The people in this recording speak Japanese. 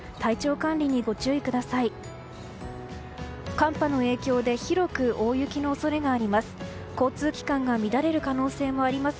寒波の影響で広く大雪の恐れがあります。